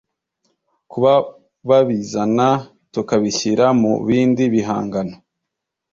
kuba babizana tukabishyira mu bindi bihangano